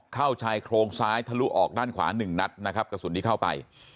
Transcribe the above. ชายโครงซ้ายทะลุออกด้านขวาหนึ่งนัดนะครับกระสุนที่เข้าไป